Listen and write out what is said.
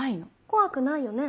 怖くないよね？